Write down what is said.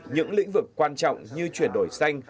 những lĩnh vực quan trọng như chuyển đổi xanh